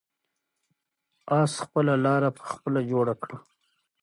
آس خپله لاره په خپله جوړه کړه.